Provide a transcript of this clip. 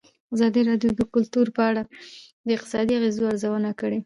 ازادي راډیو د کلتور په اړه د اقتصادي اغېزو ارزونه کړې.